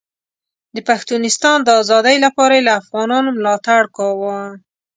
د پښتونستان د ازادۍ لپاره یې له افغانانو ملاتړ کاوه.